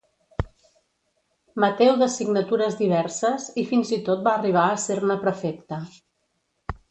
Mateu d'assignatures diverses, i fins i tot va arribar a ser-ne prefecte.